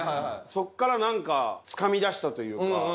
そこからなんかつかみ出したというか。